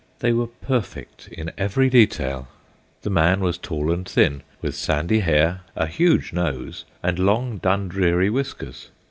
They were perfect in every detail. The man was tall and thin, with sandy hair, a huge nose, and long Dundreary whiskers.